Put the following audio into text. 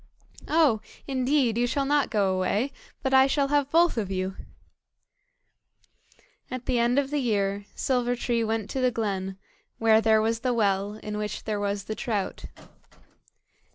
"Oh! indeed you shall not go away, but I shall have both of you." At the end of the year, Silver tree went to the glen, where there was the well, in which there was the trout.